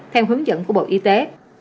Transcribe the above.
theo hướng dẫn của bộ y tế